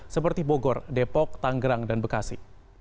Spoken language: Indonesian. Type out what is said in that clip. seperti bogor depok tanggerang dan bekasi